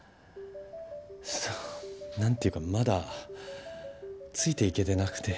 その何ていうかまだついていけてなくて。